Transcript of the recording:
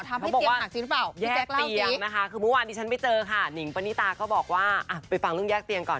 เขาบอกว่าแยกเตียงนะคะคือเมื่อวานที่ฉันไปเจอค่ะหนิงปณิตาก็บอกว่าไปฟังเรื่องแยกเตียงก่อน